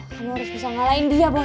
kamu harus bisa ngalahin dia bang